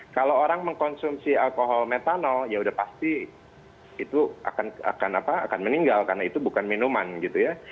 kalau orang mengkonsumsi alkohol metanol ya udah pasti itu akan meninggal karena itu bukan minuman gitu ya